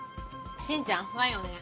しんちゃんワインお願い。